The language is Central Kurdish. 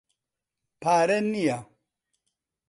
پارە نییە.